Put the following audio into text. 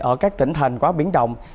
ở các tỉnh thành quá biến động